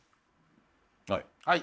はい。